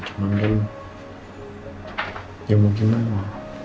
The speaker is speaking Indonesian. cuman ya mungkin apa